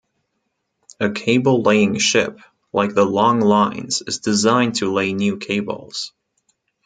A cable-laying ship, like the "Long Lines", is designed to lay new cables.